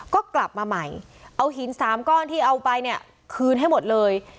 ก็กลับมาใหม่เอาหินสามก้อนที่เอาไปเนี่ยคืนให้หมดเลย